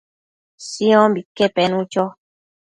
Siombique penu cho